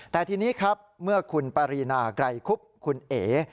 แต่ทีนี้ครับเมื่อคุณปารีนาไกรคุบคุณเอ๋